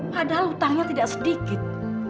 padahal hutangnya tidak sedikit